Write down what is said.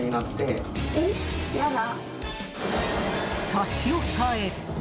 差し押さえ。